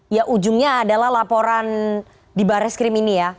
ya ujungnya adalah laporan di barres krim ini ya